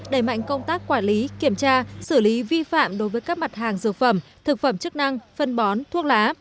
đẩy mạnh công tác quản lý kiểm tra xử lý vi phạm đối với các mặt hàng dược phẩm thực phẩm chức năng phân bón thuốc lá